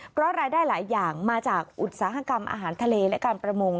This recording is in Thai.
เพราะรายได้หลายอย่างมาจากอุตสาหกรรมอาหารทะเลและการประมง